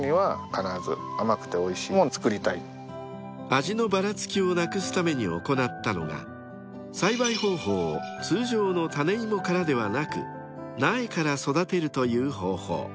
［味のばらつきをなくすために行ったのが栽培方法を通常の種芋からではなく苗から育てるという方法］